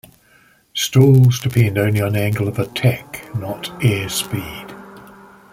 Stalls depend only on angle of attack, not airspeed.